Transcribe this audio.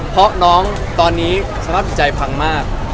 เพราะน้องตอนนี้สภาพจิตใจพังมาก